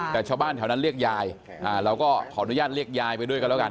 แต่ชาวบ้านแถวนั้นเรียกยายเราก็ขออนุญาตเรียกยายไปด้วยกันแล้วกัน